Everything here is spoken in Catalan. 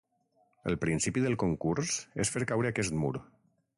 El principi del concurs és fer caure aquest mur.